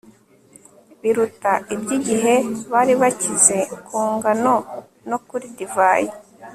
biruta iby'igihe bari bakize ku ngano no kuri divayi